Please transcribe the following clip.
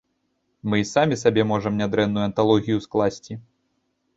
Мы і самі сабе можам нядрэнную анталогію скласці.